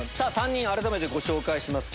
３人改めてご紹介します。